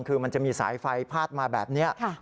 คือมันจะมีสายไฟพาดมาแบบนี้